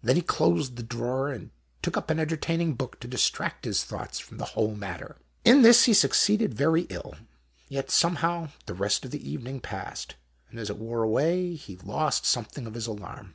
Then he closed the drawer and took up an entertaining book to distract his thoughts from the whole matter. In this he succeeded very ill. Yet some how the rest of the evening passed, and as it wore away, he lost something of his alarm.